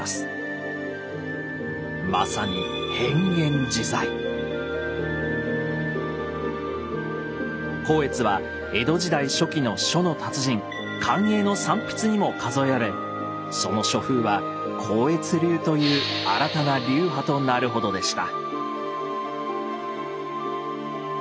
まさに光悦は江戸時代初期の書の達人「寛永の三筆」にも数えられその書風は「光悦流」という新たな流派となるほどでした。